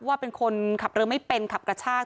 ว่าเป็นคนขับเรือไม่เป็นขับกระชาก